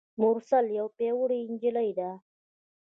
مرسل یوه پیاوړي نجلۍ ده.